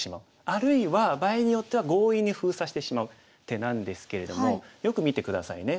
あるいは場合によっては強引に封鎖してしまう手なんですけれどもよく見て下さいね。